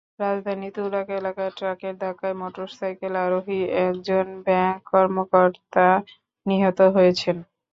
রাজধানীর তুরাগ এলাকায় ট্রাকের ধাক্কায় মোটরসাইকেল আরোহী একজন ব্যাংক কর্মকর্তা নিহত হয়েছেন।